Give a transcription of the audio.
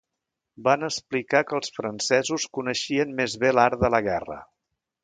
Van explicar que els francesos coneixien més bé l'art de la guerra